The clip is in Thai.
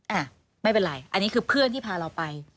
อ่ะไม่เป็นไรอันนี้คือเพื่อนที่พาเราไป